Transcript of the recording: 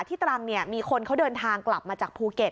ตรังมีคนเขาเดินทางกลับมาจากภูเก็ต